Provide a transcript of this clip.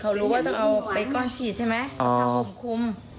เขารู้ว่าต้องเอาไปก้อนฉีดใช่ไหมเอาผ้าห่มคุม